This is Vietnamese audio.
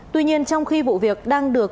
tuy nhiên trong khi vụ việc đang được